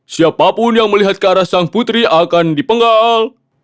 siapapun yang melihat ke arah sang putri akan dipenggal